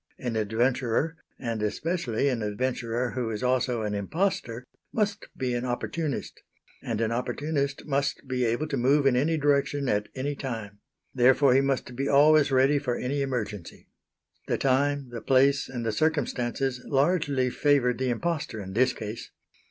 An adventurer, and especially an adventurer who is also an impostor, must be an opportunist; and an opportunist must be able to move in any direction at any time; therefore he must be always ready for any emergency. The time, the place, and the circumstances largely favoured the impostor in this case.